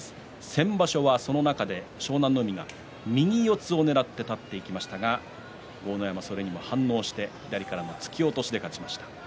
先場所はその中で湘南乃海が右四つを、ねらって立っていきましたが豪ノ山、反応して左からの突き落としで勝ちました。